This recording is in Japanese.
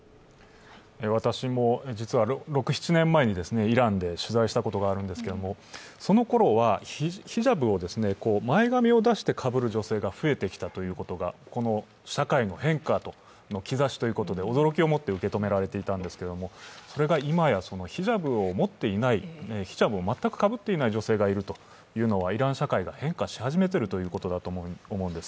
私も実は６７年前にイランで取材したことがあるんですけれどそのころはヒジャブを前髪を出してかぶる女性が増えてきたということが、社会の変化の兆しということで驚きをもって受け止められていたんですけれども、それが今やヒジャブを持っていない、ヒジャブを全くかぶっていない女性がいるということは、イラン社会が変化し始めていることだと思うんです。